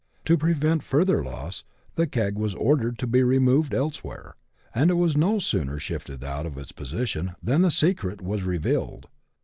To prevent further loss, the keg was ordered to be removed elsewhere ; and it was no sooner shifted out of its position than the secret was revealed.